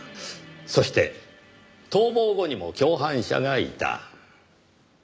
そして逃亡後にも共犯者がいた。